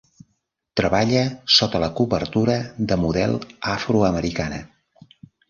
Treballa sota la cobertura de model afro-americana.